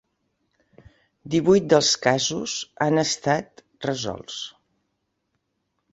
Divuit dels casos han estat resolts.